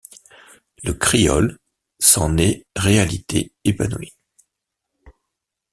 Le kriol s'est en réalité épanoui.